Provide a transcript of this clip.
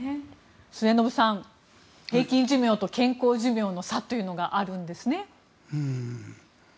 末延さん、平均寿命と健康寿命の差というのがあるんですね？